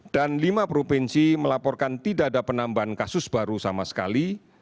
dan lima provinsi melaporkan tidak ada penambahan kasus baru sama sekali